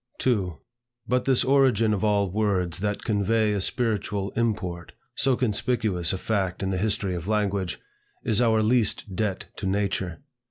2. But this origin of all words that convey a spiritual import, so conspicuous a fact in the history of language, is our least debt to nature.